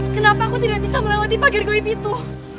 kenapa aku tidak bisa melawan dipagar gorib itu